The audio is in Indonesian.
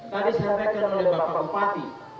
tadi saya reken oleh bapak bupati